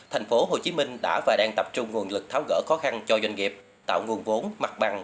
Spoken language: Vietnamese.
tp hcm đã và đang tập trung nguồn lực tháo gỡ khó khăn cho doanh nghiệp tạo nguồn vốn mặt bằng